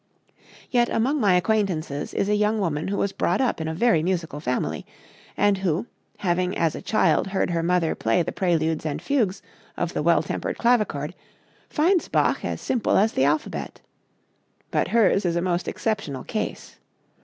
Yet among my acquaintances is a young woman who was brought up in a very musical family, and who, having as a child heard her mother play the preludes and fugues of the "Well Tempered Clavichord," finds Bach as simple as the alphabet. But hers is a most exceptional case.